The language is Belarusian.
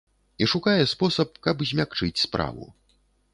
І шукае спосаб, каб змякчыць справу.